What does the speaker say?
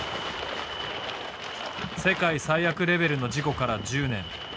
世界最悪レベルの事故から１０年。